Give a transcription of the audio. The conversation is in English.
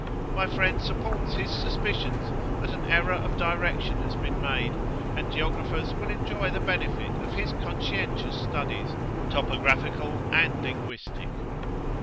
My friend supports his suspicions that an error of direction has been made, and geographers will enjoy the benefit of his conscientious studies, topographical and linguistic.